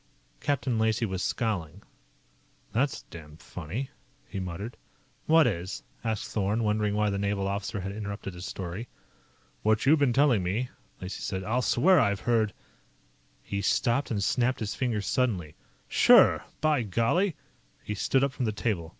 Captain Lacey was scowling. "That's damned funny," he muttered. "What is?" asked Thorn, wondering why the naval officer had interrupted his story. "What you've been telling me," Lacey said. "I'll swear I've heard " He stopped and snapped his fingers suddenly. "Sure! By golly!" He stood up from the table.